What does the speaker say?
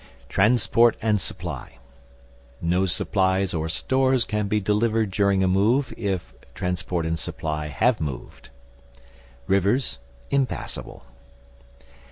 Transport and Supply. No supplies or stores can be delivered during a move if T. and S. have moved. Rivers impassable.